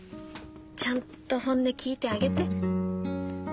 ちゃんと本音聞いてあげて。